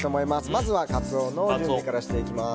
まずはカツオの準備からしていきます。